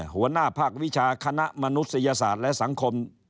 หัวหน้าภาควิชาคณะมนุษยศาสตร์และสังคม